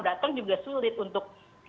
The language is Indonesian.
datang juga sulit untuk